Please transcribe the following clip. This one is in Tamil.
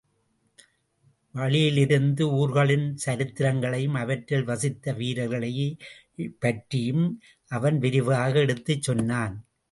வழியிலிருந்து ஊர்களின் சரித்திரங்களையும் அவற்றில் வசித்த வீரர்களைப் பற்றியும் அவன் விரிவாக எடுத்துச் சொன்னான்.